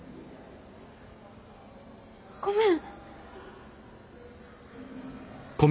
ごめん。